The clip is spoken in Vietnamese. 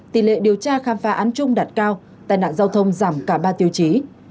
tỷ lệ điều tra khám phá án chung đạt cao tai nạn giao thông giảm cả ba tiêu chí